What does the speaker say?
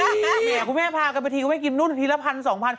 แหมครูแม่พากันหนูนละพันสองพัน